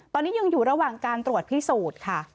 ตอนนี้ยังอยู่ระหว่างการตรวจพิสูจน์ค่ะ